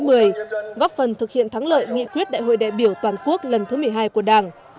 góp phần thực hiện thắng lợi nghị quyết đại hội đại biểu toàn quốc lần thứ một mươi hai của đảng